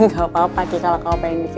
gak apa apa kiki kalo kamu pengen bikin